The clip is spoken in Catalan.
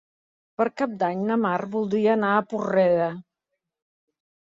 Per Cap d'Any na Mar voldria anar a Porrera.